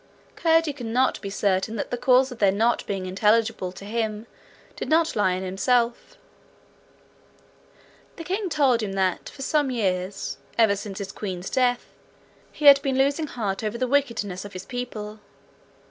Curdie could not be certain that the cause of their not being intelligible to him did not lie in himself. The king told him that for some years, ever since his queen's death, he had been losing heart over the wickedness of his people.